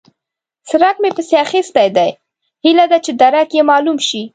څرک مې پسې اخيستی دی؛ هيله ده چې درک يې مالوم شي.